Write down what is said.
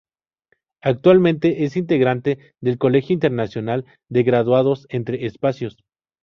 Actualmente, es Integrante del Colegio Internacional de Graduados, “Entre Espacios.